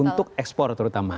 untuk ekspor terutama